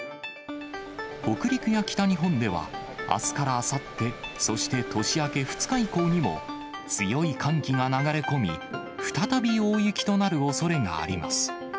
北陸や北日本では、あすからあさって、そして年明け２日以降にも、強い寒気が流れ込み、再び大雪となるおそれがあります。